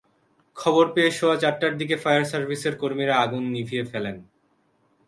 খবর পেয়ে সোয়া চারটার দিকে ফায়ার সার্ভিসের কর্মীরা আগুন নিভিয়ে ফেলেন।